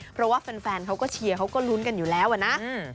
เพราะว่าแฟนเขาก็เชียร์เขาก็ลุ้นกันอยู่แล้วอะนะ